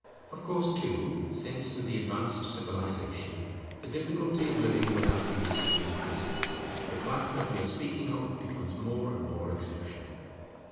Of course too, since with the advance of Civilization the difficulty of living without industry increases, the class that we are speaking of becomes more and more exceptional.